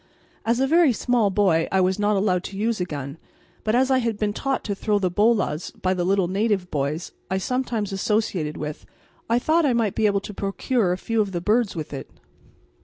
As a very small boy I was not allowed to use a gun, but as I had been taught to throw the bolas by the little native boys I sometimes associated with, I thought I might be able to procure a few of the birds with it.